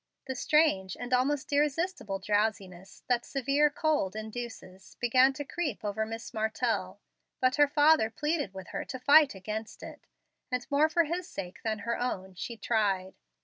The strange and almost irresistible drowsiness that severe cold induces began to creep over Miss Martell, but her father pleaded with her to fight against it; and, more for his sake than her own, she tried.